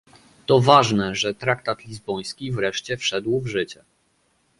To ważne, że traktat lizboński wreszcie wszedł w życie